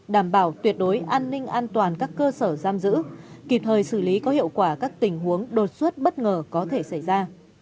đảm bảo tuyệt đối an ninh an toàn các cơ sở giam giữ kịp thời xử lý có hiệu quả các tình huống đột xuất bất ngờ có thể xảy ra